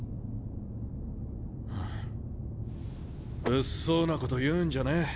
物騒なこと言うんじゃねえ。